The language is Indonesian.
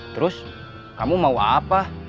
terus kamu mau apa